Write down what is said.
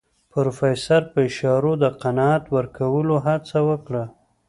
پروفيسر په اشارو د قناعت ورکولو هڅه وکړه.